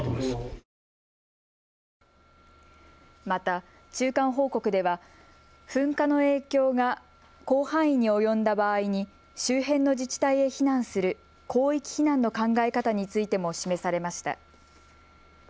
また中間報告では噴火の影響が広範囲に及んだ場合に周辺の自治体へ避難する広域避難の考え方についても示されました。